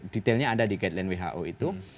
detailnya ada di guideline who itu